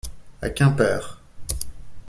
À Quimper.